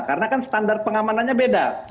karena kan standar pengamanannya beda